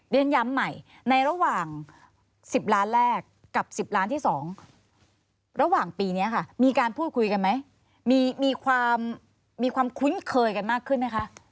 มีความคุ้นเคยกันมากขึ้นไหมคะ